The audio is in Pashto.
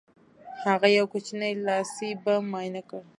هغه یو کوچنی لاسي بم معاینه کړ